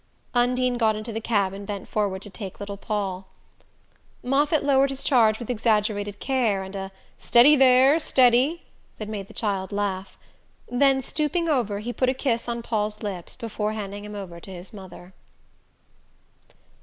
Undine got into the cab and bent forward to take little Paul. Moffatt lowered his charge with exaggerated care, and a "Steady there, steady," that made the child laugh; then, stooping over, he put a kiss on Paul's lips before handing him over to his mother.